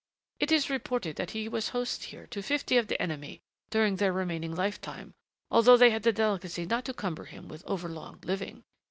It is reported that he was host here to fifty of the enemy during their remaining lifetime although they had the delicacy not to cumber him with overlong living.